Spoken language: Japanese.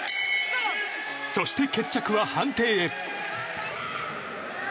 そして決着は判定へ。